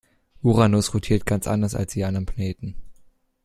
Uranus rotiert ganz anders als die anderen Planeten.